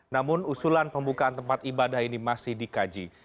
namun usulan pembukaan tempat ibadah ini masih dikaji